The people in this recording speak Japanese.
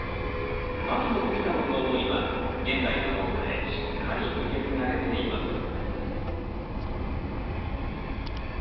牧野富太郎の思いは現代の農家へしっかり受け継がれていますお。